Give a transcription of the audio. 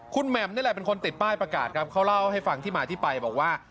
คุณแหม่มนี่แหละเป็นคนติดป้ายประกาศครับเขาเล่าให้ฟังที่มาที่ไปบอกว่า